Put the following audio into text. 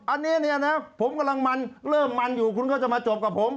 อันนี้เนี่ยนะผมกำลังมันเริ่มมันอยู่คุณก็จะมาจบกับผม